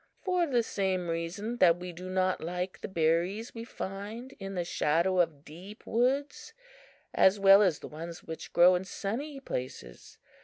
"For the same reason that we do not like the berries we find in the shadow of deep woods as well as the ones which grow in sunny places.